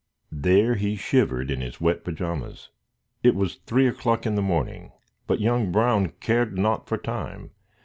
There he shivered in his wet pajamas. It was three o'clock in the morning, but young Brown cared not for time.